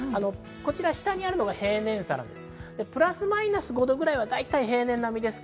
下にあるのが平年差です。